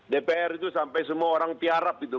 dpr itu sampai semua orang tiarap itu